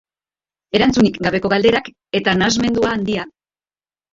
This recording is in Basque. Erantzunik gabeko galderak, eta nahasmendua handia.